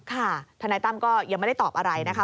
ทนายตั้มก็ยังไม่ได้ตอบอะไรนะคะ